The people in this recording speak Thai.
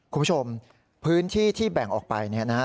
คุณผู้ชมพื้นที่ที่แบ่งออกไป